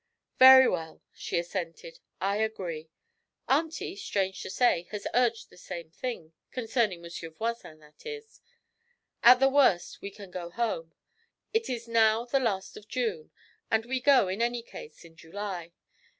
'Very well,' she assented, 'I agree. Auntie, strange to say, has urged the same thing concerning Monsieur Voisin, that is. At the worst we can go home. It is now the last of June, and we go, in any case, in July.